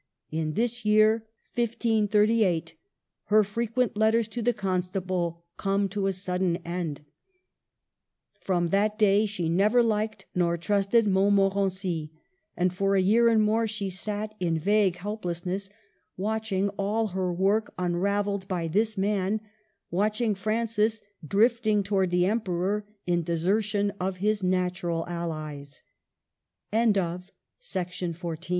In this year, 1538, her frequent letters to the Constable come to a sudden end. From that day she never liked nor trusted Montmo rency, and for a year and more she sat, in vague helplessness, watching all her work unravelled by this man, watching Francis drifting towards the Emperor in desertion of his natural allie